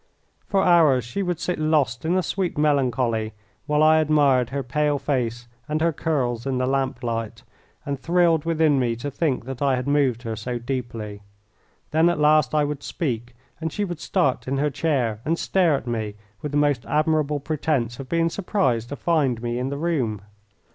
For hours she would sit lost in a sweet melancholy, while I admired her pale face and her curls in the lamp light, and thrilled within me to think that I had moved her so deeply. Then at last I would speak, and she would start in her chair and stare at me with the most admirable pretence of being surprised to find me in the room.